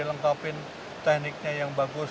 lengkapin tekniknya yang bagus